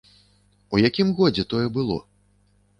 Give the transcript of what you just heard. У якім годзе тое было?